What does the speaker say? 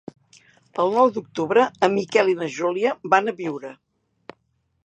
El nou d'octubre en Miquel i na Júlia van a Biure.